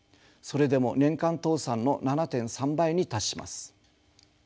それでも年間倒産の７．３倍に達します。